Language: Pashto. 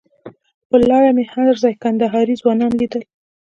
پر لاره مې هر ځای کندهاري ځوانان لیدل.